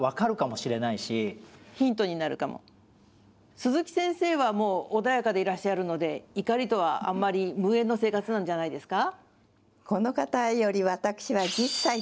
鈴木先生はもう、穏やかでいらっしゃるので、怒りとはあんまり無縁の生活なんじゃないですか？